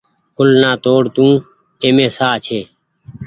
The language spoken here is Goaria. گل نآ توڙ تو اي مين ساه ڇي۔